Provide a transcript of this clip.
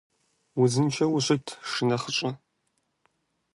Узыншэу ущыт шынэхъыщӀэ!